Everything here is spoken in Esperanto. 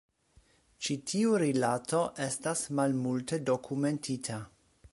Ĉi tiu rilato restas malmulte dokumentita.